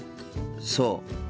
そう。